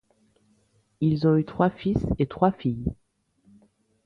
Ils ont eu trois fils et trois filles.